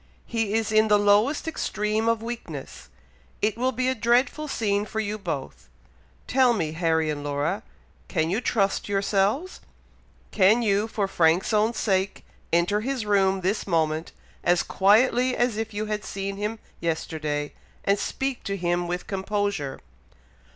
He is in the lowest extreme of weakness! It will be a dreadful scene for you both. Tell me, Harry and Laura, can you trust yourselves? Can you, for Frank's own sake, enter his room this moment, as quietly as if you had seen him yesterday, and speak to him with composure?"